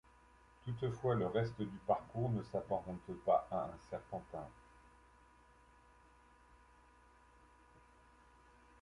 Toutefois, le reste du parcours ne s'apparente pas à un serpentin.